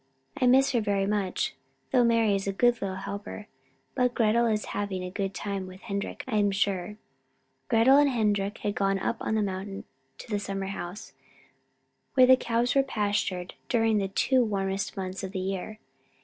"I miss her very much, though Mari is a good little helper. But Gretel is having a good time with Henrik, I'm sure." Gretel and Henrik had gone up on the mountain to the summer house, where the cows were pastured during the two warmest months of the year.